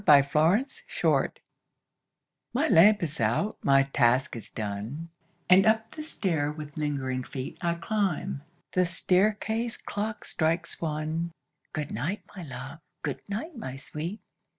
A LATE GOOD NIGHT My lamp is out, my task is done, And up the stair with lingering feet I climb. The staircase clock strikes one. Good night, my love! good night, my sweet!